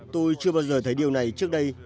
tôi chưa bao giờ thấy điều này trước đây